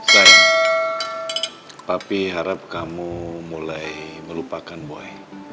sayang papi harap kamu mulai melupakan boy